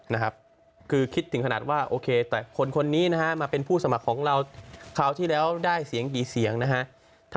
นะครับคือคิดถึงขนาดว่าโอเคแต่คนนี้นะฮะมาเป็นผู้สมัครของเราคราวที่แล้วได้เสียงกี่เสียงนะฮะ